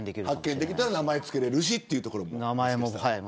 発見できたら名前つけれるしっていうところも。